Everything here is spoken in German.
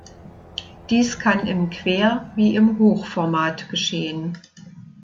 Dies kann im Quer- wie im Hochformat geschehen.